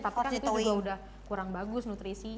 tapi kan itu juga udah kurang bagus nutrisi